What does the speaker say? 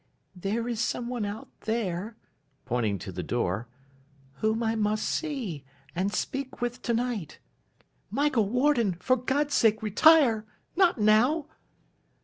'There is some one out there,' pointing to the door, 'whom I must see, and speak with, to night. Michael Warden, for God's sake retire! Not now!